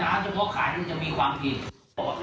นะเอาน้ำเฉพาะขายมันจะมีความผิด